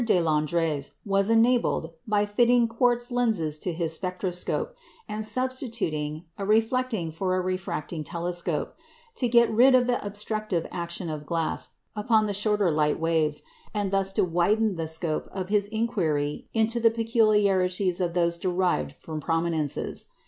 Deslandres was enabled, by fitting quartz lenses to his spectroscope, and substituting a reflecting for a refracting telescope, to get rid of the obstructive action of glass upon the shorter light waves, and thus to widen the scope of his inquiry into the peculiarities of those derived from prominences.